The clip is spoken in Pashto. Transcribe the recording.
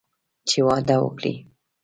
چې واده وکړي.